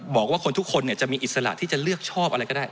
บอกว่าคนทุกคนจะมีอิสระที่จะเลือกชอบอะไรก็ได้